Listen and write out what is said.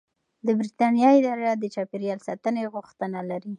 د بریتانیا اداره د چاپیریال ساتنې غوښتنه لري.